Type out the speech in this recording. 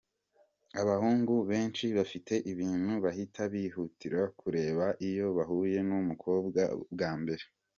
Abahungu benshi bafite ibintu bahita bihutira kureba iyo bahuye n’umukobwa bwa mbere.